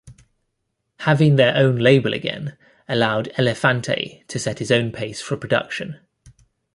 Having their own label again allowed Elefante to set his own pace for production.